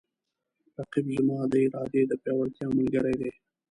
رقیب زما د ارادې د پیاوړتیا ملګری دی